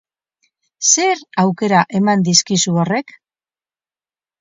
Zer aukera eman dizkizu horrek?